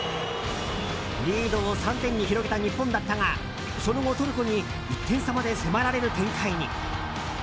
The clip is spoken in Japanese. リードを３点に広げた日本だったがその後、トルコに１点差まで迫られる展開に。